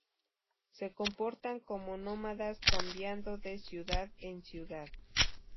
Se comportan como nómadas, cambiando de ciudad en ciudad.